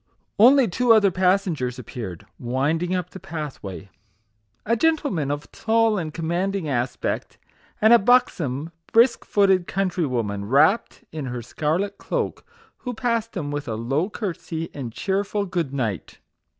Only two other passengers appeared, wind ing up the pathway a gentleman of tall and commanding aspect, and a buxom, brisk footed countrywoman, wrapped in her scarlet cloak, who passed him with a low curtsey and cheer ful good night.